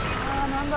何だ？